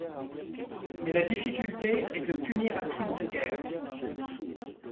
Mais la difficulté est de punir un crime de guerre.